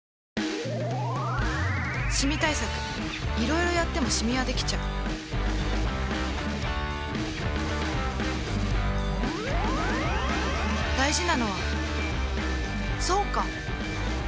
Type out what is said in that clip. シミ対策いろいろやってもシミはできちゃう大事なのはそうか！